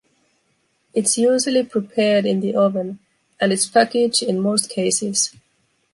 It’s usually prepared in the oven, and it’s packaged in most cases.